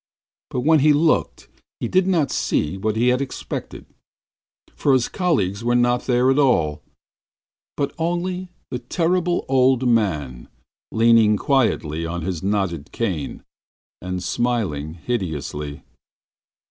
But when he looked, he did not see what he had expected; for his colleagues were not there at all, but only the Terrible Old Man leaning quietly on his knotted cane and smiling hideously.